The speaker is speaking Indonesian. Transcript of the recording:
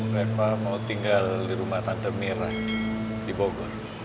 reva mau tinggal di rumah tante mira di bogor